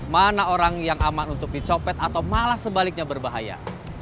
mana orang yang aman untuk dicopet atau malah sebaliknya berbahaya